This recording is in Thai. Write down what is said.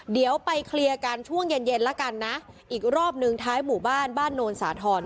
เดี๋ยวไปเคลียร์กันช่วงเย็นเย็นแล้วกันนะอีกรอบหนึ่งท้ายหมู่บ้านบ้านโนนสาธรณ์